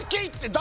誰？